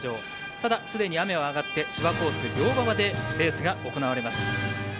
ただ、すでに雨は上がって芝コース、良馬場でレースが行われます。